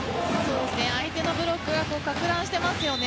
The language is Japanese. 相手のブロックを撹乱してますよね。